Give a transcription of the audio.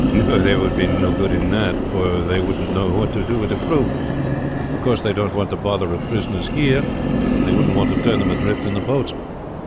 "No; there would be no good in that; for they wouldn't know what to do with the crew. Of course they don't want the bother of prisoners here, and they wouldn't want to turn them adrift in the boats.